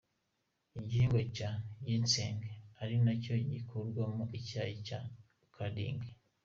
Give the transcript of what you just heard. Igihingwa cya Ginseng ari nacyo gikurwamo icyayi cya Kuding.